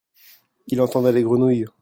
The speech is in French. Il entendait les grenouilles.